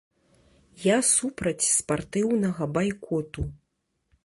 Я супраць спартыўнага байкоту.